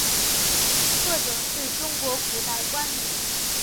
谒者是中国古代官名。